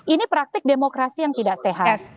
ini praktik demokrasi yang tidak sehat